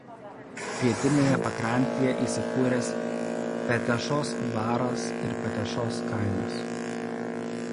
Pietinėje pakrantėje įsikūręs Petešos dvaras ir Petešos kaimas.